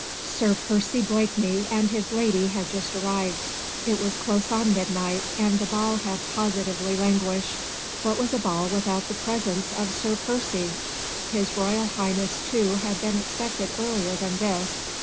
Sir Percy Blakeney and his lady had just arrived. It was close on midnight, and the ball had positively languished. What was a ball without the presence of Sir Percy? His Royal Highness too had been expected earlier than this.